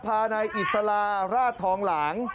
พานายอิสลาราชทองหลาง